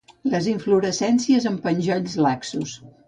Les inflorescències en penjolls laxos.